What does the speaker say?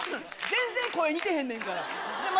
全然声似てへんねんから。